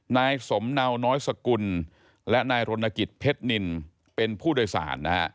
นายสมเนาน้อยสกุลและนายรณกิจเพชรนินเป็นผู้โดยสารนะฮะ